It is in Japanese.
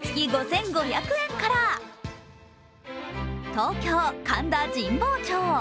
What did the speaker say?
東京・神田神保町。